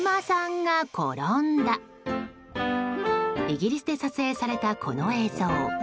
イギリスで撮影されたこの映像。